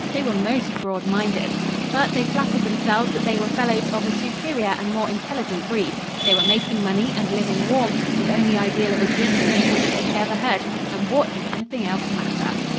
They were most broad minded. But they flattered themselves that they were fellows of a superior and more intelligent breed. They were making money and living warm, the only ideal of existence of which they had ever heard, and what did anything else matter?